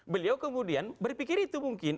beliau kemudian berpikir itu mungkin